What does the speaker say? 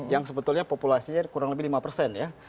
yang sebetulnya populasinya kurang lebih lima persen ya